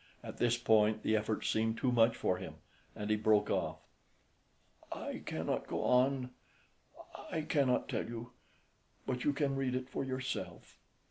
At this point the effort seemed too much for him and he broke off. "I cannot go on, I cannot tell you, but you can read it for yourself.